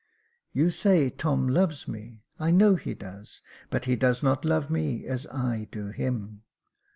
You say Tom loves me ; I know he does ; but he does not love me as I do him.